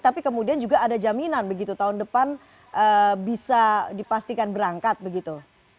tapi kemudian juga ada jaminan begitu tahun depan bisa dipastikan berangkat begitu